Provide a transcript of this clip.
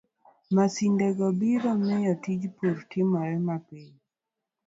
Masindego biro miyo tij pur otimre piyo,